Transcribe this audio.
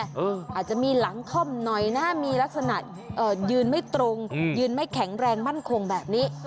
อาจจะมีหลังค่อมหน่อยนะมีลักษณะยืนไม่ตรงยืนไม่แข็งแรงมั่นคงแบบนี้